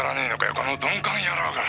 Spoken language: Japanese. この鈍感野郎が！」